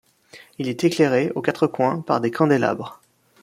Il est éclairé, aux quatre coins, par des candélabres.